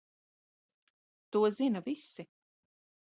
To zina visi!